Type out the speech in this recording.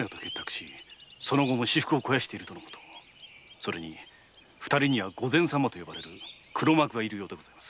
それに二人には御前様と呼ばれる黒幕がいるそうです。